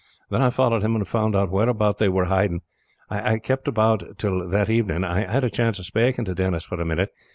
Then I followed him and found out whereabout they were hiding. I kept about till, that evening, I had a chance of spaking to Denis for a minute.